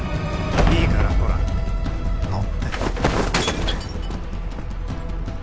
いいからほら乗って。